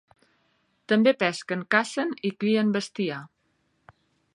També pesquen, cacen i crien bestiar.